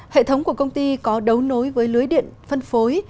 hệ thống của công ty có đấu nối với lưới điện phân phối